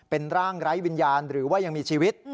เป็นร่างไร้วิญญาณหรือว่ายังมีชีวิต